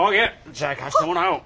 じゃあ貸してもらおう。